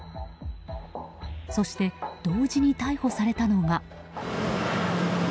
そして、同時に逮捕されたのが。